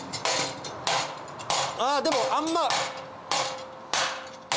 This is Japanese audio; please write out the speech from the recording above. あでもあんま。